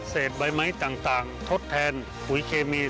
ใบไม้ต่างทดแทนปุ๋ยเคมี